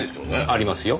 ありますよ。